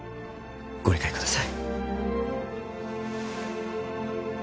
ご理解ください